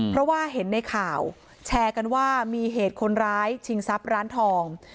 เพราะฉะนั้นว่ามีเหตุคนร้ายชิงทรัพย์ร้านทอง